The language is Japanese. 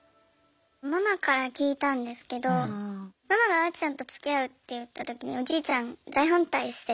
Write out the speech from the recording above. ママから聞いたんですけどママがあーちゃんとつきあうって言ったときにおじいちゃん大反対してて。